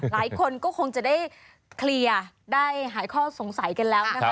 หลายคนก็คงจะได้เคลียร์ได้หายข้อสงสัยกันแล้วนะคะ